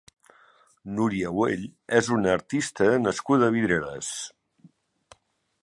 Núria Güell és una artista nascuda a Vidreres.